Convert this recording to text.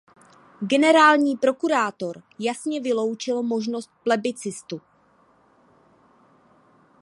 Generální prokurátor jasně vyloučil možnost plebiscitu.